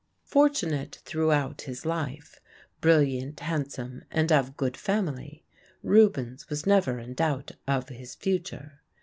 Fortunate throughout his life, brilliant, handsome, and of good family, Rubens was never in doubt of his future.